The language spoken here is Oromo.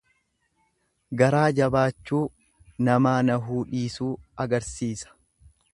Garaa jabaachuu, namaa nahuu dhiisuu agarsiisa.